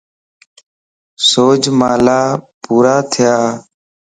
سوجملا پورا ٿيا؟